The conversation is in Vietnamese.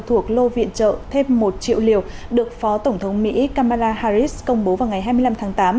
thuộc lô viện trợ thêm một triệu liều được phó tổng thống mỹ kamala harris công bố vào ngày hai mươi năm tháng tám